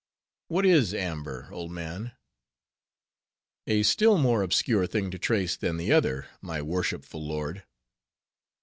What is amber, old man?" "A still more obscure thing to trace than the other, my worshipful lord.